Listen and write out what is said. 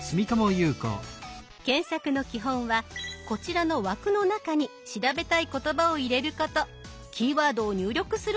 検索の基本はこちらの枠の中に調べたい言葉を入れること。